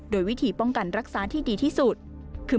โดยวิธีป้องกันรักษาที่ดีที่สุดคือ